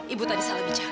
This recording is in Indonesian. ibu tadi salah bicara